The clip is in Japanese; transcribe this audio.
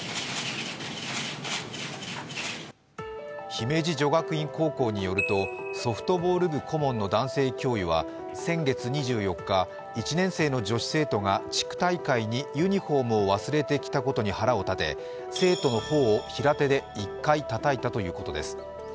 姫路女学院高校によるとソフトボール部顧問の男性教諭は先月２４日１年生の女子生徒が地区大会にユニフォームを忘れてきたことに腹を立て生徒の頬を平手で１回たたいたということです。